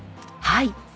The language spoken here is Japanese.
はい。